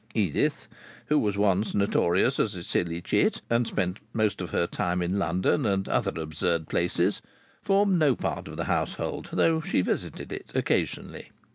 Edith, who was notorious as a silly chit and spent most of her time in London and other absurd places, formed no part of the household, though she visited it occasionally.